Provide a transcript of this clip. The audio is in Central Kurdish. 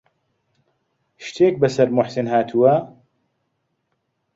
شتێک بەسەر موحسین هاتووە؟